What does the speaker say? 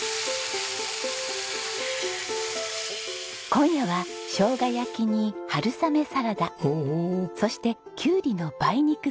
今夜はしょうが焼きに春雨サラダそしてキュウリの梅肉添えです。